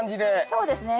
そうですね。